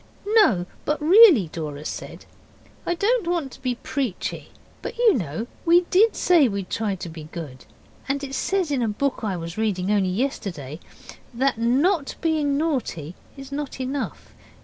'No, but really,' Dora said, 'I don't want to be preachy but you know we DID say we'd try to be good. And it says in a book I was reading only yesterday that NOT being naughty is not enough.